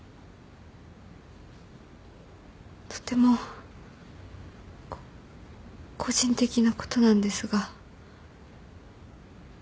とても個人的なことなんですが。